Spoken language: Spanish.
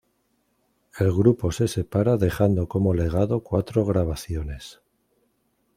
El grupo se separa dejando como legado cuatro grabaciones.